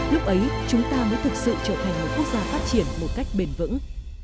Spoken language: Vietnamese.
lúc ấy chúng ta mới thực sự trở thành một quốc gia phát triển một cách bền vững